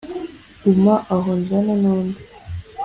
guma aho nzane n'undi!